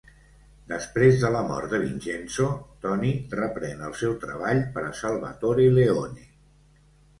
Després de la mort de Vincenzo, Toni reprèn el seu treball per a Salvatore Leone.